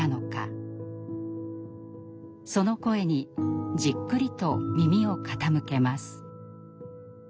その声にじっくりと耳を傾けます。